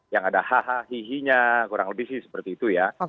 yang ada haha hihinya kurang lebih sih seperti itu ya